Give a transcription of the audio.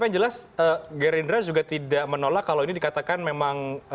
yang jelas gerindra juga tidak menolak kalau ini dikatakan memang